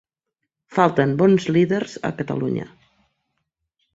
Falten bons líders a Catalunya.